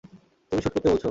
তুমি শ্যুট করতে বলছ?